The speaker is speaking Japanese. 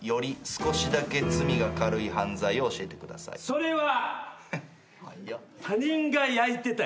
それは！